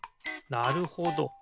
なるほど。